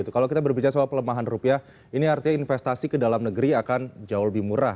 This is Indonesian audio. kalau kita berbicara soal pelemahan rupiah ini artinya investasi ke dalam negeri akan jauh lebih murah